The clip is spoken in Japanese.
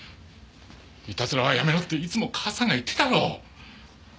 イタズラはやめろっていつも母さんが言ってたろう。